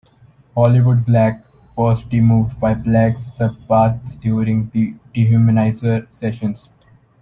"Hollywood Black" was demoed by Black Sabbath during the "Dehumanizer" sessions.